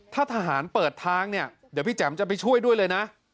ถ้าทหารเปิดทางเนี่ยเดี๋ยวพี่แจ๋มจะไปช่วยด้วยเลยนะ